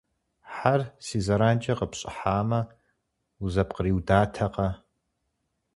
Хьэр си зэранкӏэ къыпщӏыхьамэ, узэпкъриудатэкъэ.